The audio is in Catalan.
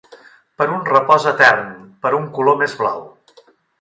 Per un repòs etern, per un color més blau.